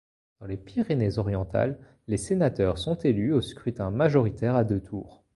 Dans les Pyrénées-Orientales, les sénateurs sont élus au scrutin majoritaire à deux tours.